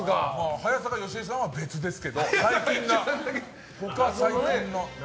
早坂好恵さんは別ですけど他は最近の。